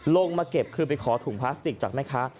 มาเก็บคือไปขอถุงพลาสติกจากแม่ค้า